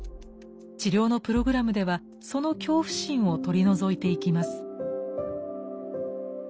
治療のプログラムではその恐怖心を取り除いていきます。